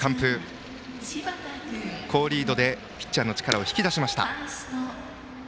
キャッチャー、柴田は好リードでピッチャーの力を引き出しました。